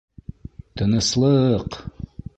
— Тыныслыҡ!